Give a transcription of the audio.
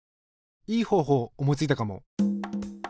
いい方法思いついたかも。